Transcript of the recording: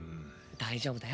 大丈夫だよ！